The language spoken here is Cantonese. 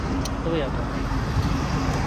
都有道理嘅